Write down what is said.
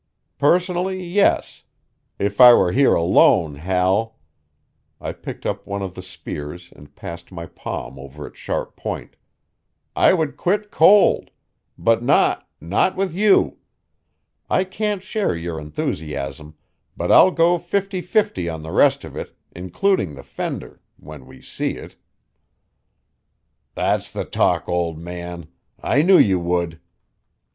"Personally, yes. If I were here alone, Hal" I picked up one of the spears and passed my palm over its sharp point "I would quit cold. But not not with you. I can't share your enthusiasm, but I'll go fifty fifty on the rest of it, including the fender when we see it." "That's the talk, old man. I knew you would."